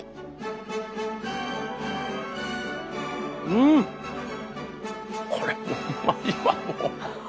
うんこれもうまいわもう。